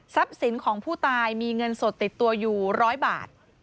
สินของผู้ตายมีเงินสดติดตัวอยู่๑๐๐บาท